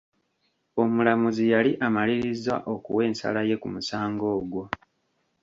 Omulamuzi yali amalirizza okuwa ensala ye ku musango ogwo.